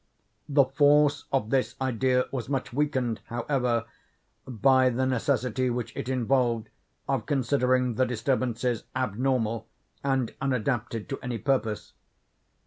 The force of this idea was much weakened, however, by the necessity which it involved of considering the disturbances abnormal and unadapted to any purpose.